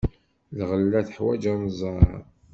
Lɣella teḥwaj anẓar.